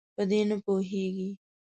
په دې نه پوهیږي.